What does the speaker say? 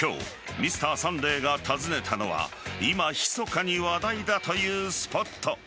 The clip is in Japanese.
「Ｍｒ．サンデー」が訪ねたのは今ひそかに話題だというスポット。